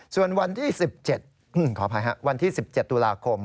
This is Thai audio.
ส่วนวันที่๑๗ขออภัยฮะวันที่๑๗ตุลาคม